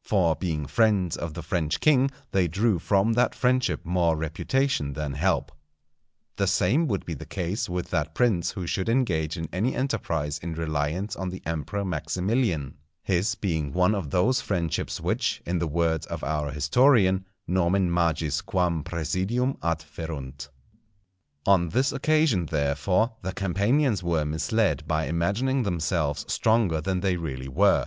For being friends of the French king they drew from that friendship more reputation than help. The same would be the case with that prince who should engage in any enterprise in reliance on the Emperor Maximilian, his being one of those friendships which, in the words of our historian, nomen magis quam praesidium adferunt. On this occasion, therefore, the Campanians were misled by imagining themselves stronger than they really were.